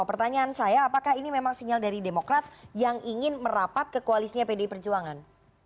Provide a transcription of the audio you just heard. pertanyaan saya apakah ini memang sinyal dari demokrat yang ingin merapat ke koalisnya pdi perjuangan